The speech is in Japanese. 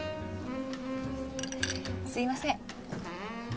すいません。